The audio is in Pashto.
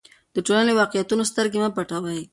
د ټولنې له واقعیتونو سترګې مه پټوئ.